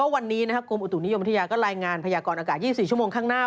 วันนี้กรมอุตุนิยมวิทยาก็รายงานพยากรอากาศ๒๔ชั่วโมงข้างหน้า